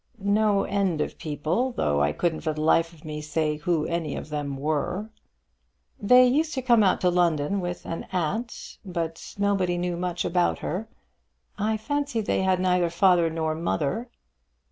"No end of people, though I couldn't for the life of me say who any of them were." "They used to come out in London with an aunt, but nobody knew much about her. I fancy they had neither father nor mother."